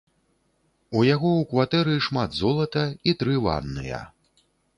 У яго у кватэры шмат золата і тры ванныя.